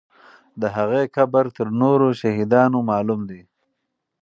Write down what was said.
د هغې قبر تر نورو شهیدانو معلوم دی.